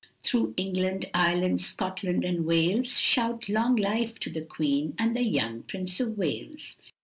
Through England, Ireland, Scotland, and Wales, Shout long life to the Queen and the young Prince of Wales.